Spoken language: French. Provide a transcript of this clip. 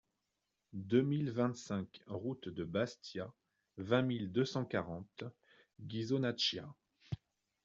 deux mille vingt-cinq route de Bastia, vingt mille deux cent quarante Ghisonaccia